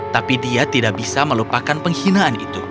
tapi dia tidak bisa melupakan penghinaan itu